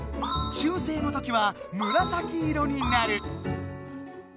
中性のときはむらさき色になる。